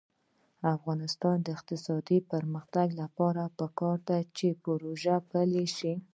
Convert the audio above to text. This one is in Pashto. د افغانستان د اقتصادي پرمختګ لپاره پکار ده چې پروژه پلي شي.